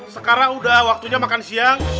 sekarang udah waktunya makan siang